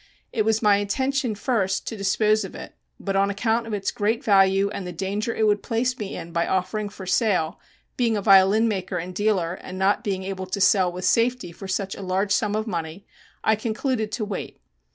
It was my intention first to dispose of it, but on account of its great value and the danger it would place me in by offering for sale being a violin maker and dealer and not being able to sell with safety for such a large sum of money I concluded to wait.